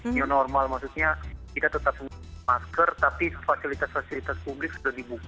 new normal maksudnya kita tetap menggunakan masker tapi fasilitas fasilitas publik sudah dibuka